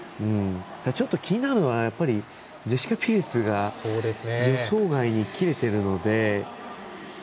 ちょっと気になるのはジェシカ・ピルツが予想外に切れてるので。